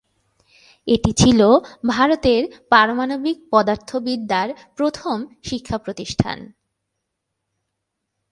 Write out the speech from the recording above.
এটি ছিল ভারতের পারমাণবিক পদার্থবিদ্যার প্রথম শিক্ষাপ্রতিষ্ঠান।